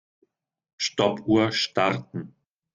Stoppuhr starten.